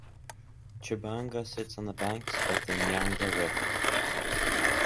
Tchibanga sits on the banks of the Nyanga River.